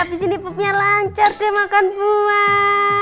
abis ini pupnya lancar deh makan buah